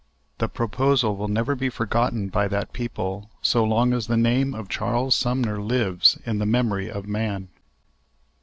The proposal will never be forgotten by that people so long as the name of Charles Sumner lives in the memory of man.